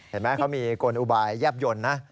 เห็นมั้ยเขามีกลุ่นอุบายแย่บหย่อนนะ